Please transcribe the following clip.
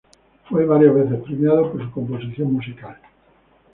Fue varias veces premiado por su composición musical.